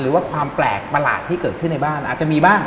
หรือว่าความแปลกประหลาดที่เกิดขึ้นในบ้านอาจจะมีบ้าง